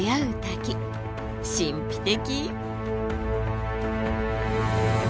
神秘的！